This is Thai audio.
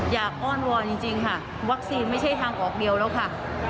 อ้อนวอนจริงค่ะวัคซีนไม่ใช่ทางออกเดียวแล้วค่ะ